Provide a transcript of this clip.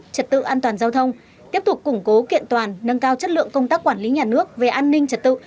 trật tự an toàn giao thông tiếp tục củng cố kiện toàn nâng cao chất lượng công tác quản lý nhà nước về an ninh trật tự